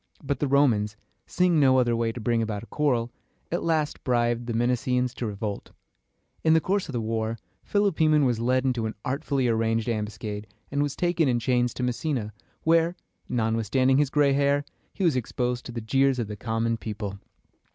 But the Romans, seeing no other way to bring about a quarrel, at last bribed the Messenians to revolt. In the course of the war, Philopoemen was led into an artfully arranged ambuscade, and was taken in chains to Messenia, where, notwithstanding his gray hair, he was exposed to the jeers of the common people.